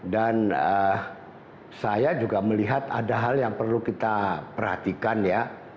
dan saya juga melihat ada hal yang perlu kita perhatikan ya